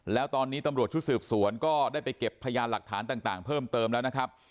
แล้วตอนนี้ตำรวจชุดสืบสวนก็ได้ไปเก็บพยานหลักฐานต่างเพิ่มเติมแล้วนะครับ